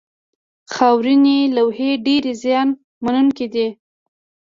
خاورینې لوحې ډېرې زیان منونکې دي.